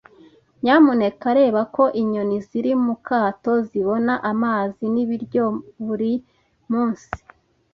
Nyamuneka reba ko inyoni ziri mu kato zibona amazi n'ibiryo buri munsi.